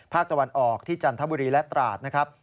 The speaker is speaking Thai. ภาคตะวันออกที่จันทบุรีและตราดนะครับ